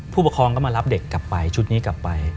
ผู้ปกครองก็มารับเด็กกลับไปชุดนี้กลับไป